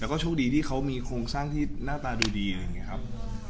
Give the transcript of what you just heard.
แล้วก็โชคดีที่เขามีโครงสร้างที่หน้าตาดูดีอะไรอย่างนี้ครับ